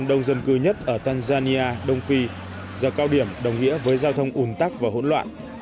đông dân cư nhất ở tanzania đông phi giờ cao điểm đồng nghĩa với giao thông ủn tắc và hỗn loạn